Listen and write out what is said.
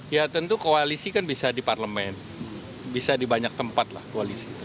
ya tentu koalisi kan bisa di parlemen bisa di banyak tempat lah koalisi